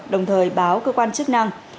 đồng thời báo cơ quan chức năng